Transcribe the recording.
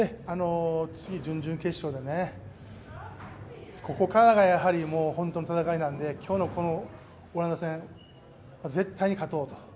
次、準々決勝でね、ここからがやはり本当の戦いなんで今日のこのオランダ戦、絶対に勝とうと。